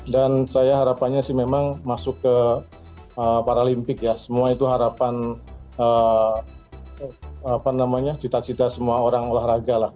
dan saya harapannya sih memang masuk ke paralimpik ya semua itu harapan apa namanya cita cita semua orang olahraga lah